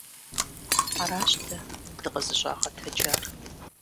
Аращ дэ дыкъызыщӀагъэтэджар.